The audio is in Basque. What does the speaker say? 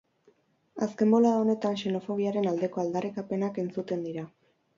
Azken bolada honetan xenofobiaren aldeko aldarrikapenak entzuten dira.